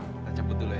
kita cepet dulu ya